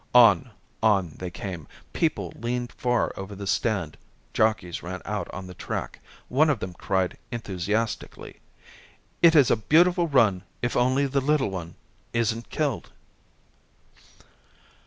On, on they came. People leaned far over the stand. Jockeys ran out on the track. One of them cried enthusiastically: "It is a beautiful run if only the little one isn't killed."